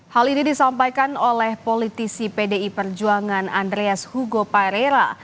hal ini disampaikan oleh politisi pdi perjuangan andreas hugo paerera